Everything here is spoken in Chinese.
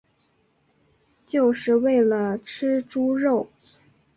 就是为了吃猪肉